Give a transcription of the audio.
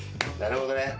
なるほどね。